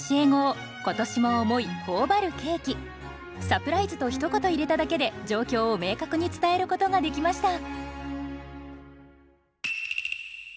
「サプライズ！」とひと言入れただけで状況を明確に伝えることができました。